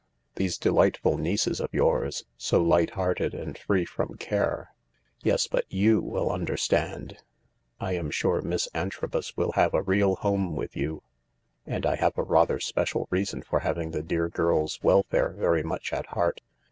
These delightful nieces of yours — so light hearted and free from care ! Yes, but you will under stand. I am sure Miss Antrobus will have a real home with you. And I have a rather special reason for having the dear girl's welfare very much at heart.